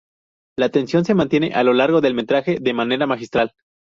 La tensión se mantiene a lo largo del metraje de manera magistral.